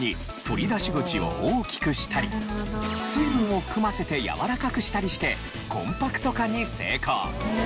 取り出し口を大きくしたり水分を含ませて柔らかくしたりしてコンパクト化に成功。